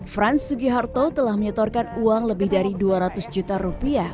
frans sugiharto telah menyetorkan uang lebih dari dua ratus juta rupiah